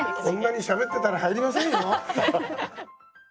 こんなにしゃべってたら入りませんよ。